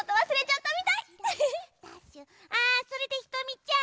あそれでひとみちゃん。